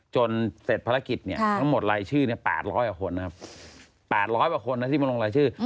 เสร็จภารกิจเนี่ยทั้งหมดรายชื่อ๘๐๐กว่าคนนะครับ๘๐๐กว่าคนนะที่มาลงรายชื่อ